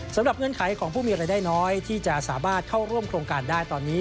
เงื่อนไขของผู้มีรายได้น้อยที่จะสามารถเข้าร่วมโครงการได้ตอนนี้